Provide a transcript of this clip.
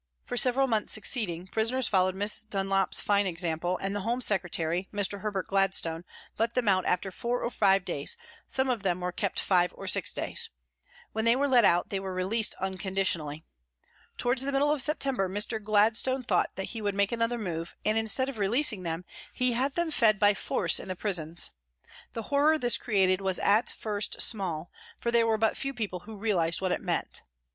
For several months succeeding prisoners followed Miss Dunlop's fine example, and the Home Secretary, Mr. Herbert Gladstone, let them out after four or five days, some of them were kept five or six days. When they were let out they were released unconditionally. Towards the middle of September, Mr. Gladstone thought that he would make another move and, instead of releasing them, he had them fed by force in the prisons. The horror this created was at first small, for there were but few people who realised what it meant.